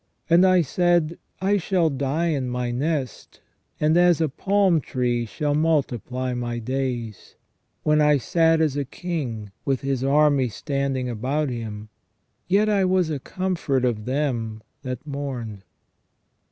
And I said : I shall die in my nest, and as a palm tree shall multiply my days. ... When AS UNVEILED IN THE BOOK OF JOB. 155 I sat as a king, with his army standing about him, yet I was a comfort of them that mourned."